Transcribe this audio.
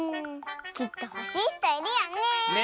きっとほしいひといるよね！ね！